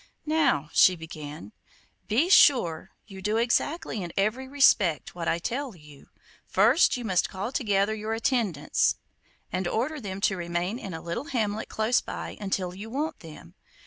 'Now,' she began, 'be sure you do exactly in every respect what I tell you. First you must call together your attendants, and order them to remain in a little hamlet close by until you want them.